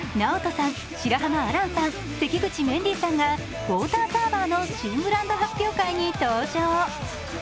ＮＡＯＴＯさん、白濱亜嵐さん、関口メンディーさんがウォーターサーバーの新ブランド発表会に登場。